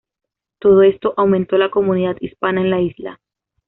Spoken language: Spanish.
Todo esto aumentó la comunidad hispana en la isla.